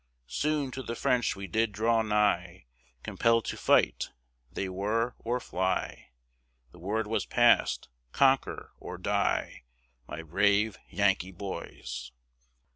Soon to the French we did draw nigh, Compelled to fight, they were, or fly, The word was passed, "CONQUER OR DIE," My brave Yankee boys.